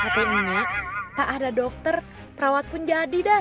artinya tak ada dokter perawat pun jadi dah